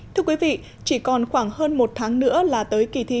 thưa quý vị chỉ còn khoảng hơn một tháng nữa là tới kỳ thi